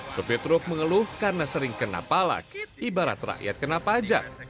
supir truk mengeluh karena sering kena palak ibarat rakyat kena pajak